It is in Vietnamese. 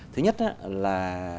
thứ nhất là